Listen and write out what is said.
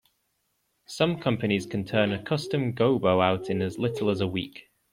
Some companies can turn a custom gobo out in as little as a week.